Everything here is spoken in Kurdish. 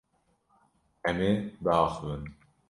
Em ê biaxivin.